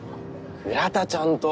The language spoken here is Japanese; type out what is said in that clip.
倉田ちゃんと。